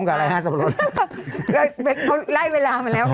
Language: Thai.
ก็เขาไล่เวลามาแล้ว